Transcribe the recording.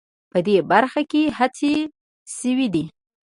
په دې برخه کې هڅې شوې دي